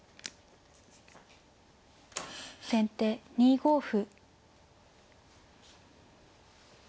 先手２五歩。